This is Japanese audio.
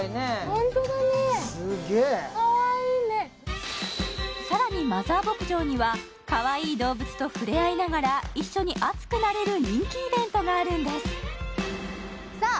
ホントだねかわいいねすっげえさらにマザー牧場にはかわいい動物と触れ合いながら一緒に熱くなれる人気イベントがあるんですさあ